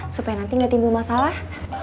supaya nanti nggak timbul masalah